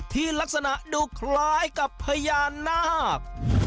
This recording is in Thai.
ที่ลักษณะดูคล้ายกับพญานาค